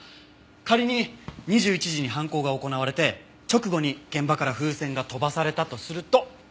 仮に２１時に犯行が行われて直後に現場から風船が飛ばされたとすると。